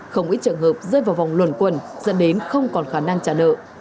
không ít trường hợp rơi vào vòng luẩn quần dẫn đến không còn khả năng trả nợ